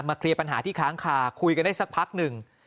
เคลียร์ปัญหาที่ค้างคาคุยกันได้สักพักหนึ่ง